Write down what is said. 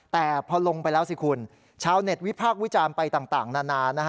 แต่พอลงไปแล้วสิคุณชาวเน็ตวิพากษ์วิจารณ์ไปต่างนานา